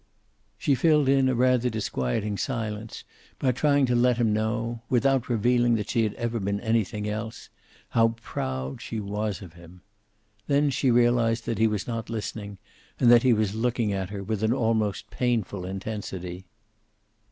She filled in a rather disquieting silence by trying to let him know, without revealing that she had ever been anything else, how proud she was of him. Then she realized that he was not listening, and that he was looking at her with an almost painful intensity.